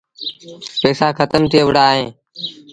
پئيٚسآ کتم ٿئي وُهڙآ اهيݩ۔